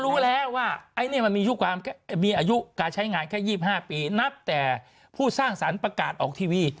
รู้แล้วว่าไอ้นี่มันมีอายุการใช้งานแค่๒๕ปีนับแต่ผู้สร้างสรรค์ประกาศออกทีวี